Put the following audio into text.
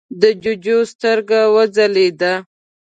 د جُوجُو سترګه وځلېده: